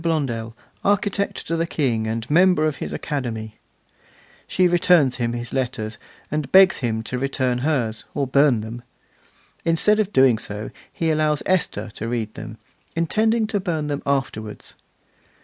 Blondel, architect to the King, and member of his Academy'; she returns him his letters, and begs him to return hers, or burn them. Instead of doing so he allows Esther to read them, intending to burn them afterwards.